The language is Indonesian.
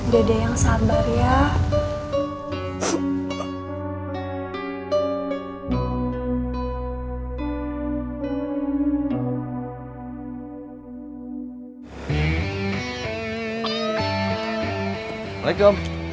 dede yang sabar ya